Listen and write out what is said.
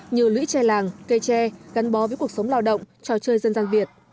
như lũy tre làng cây tre gắn bó với cuộc sống lao động trò chơi dân gian việt